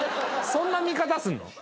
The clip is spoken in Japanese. そんな見方するの？